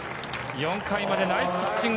４回までナイスピッチング。